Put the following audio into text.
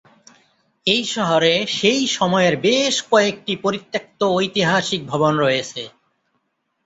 এই শহরে সেই সময়ের বেশ কয়েকটি পরিত্যক্ত ঐতিহাসিক ভবন রয়েছে।